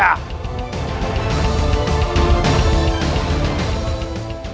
ampun gusti ampun gusti prabu